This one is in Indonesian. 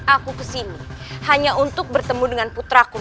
aku kesini hanya untuk bertemu dengan putraku